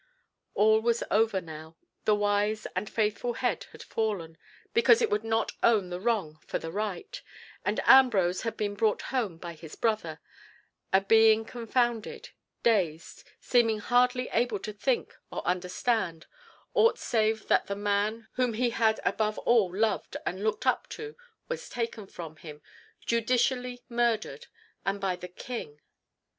All was over now, the wise and faithful head had fallen, because it would not own the wrong for the right; and Ambrose had been brought home by his brother, a being confounded, dazed, seeming hardly able to think or understand aught save that the man whom he had above all loved and looked up to was taken from him, judicially murdered, and by the King.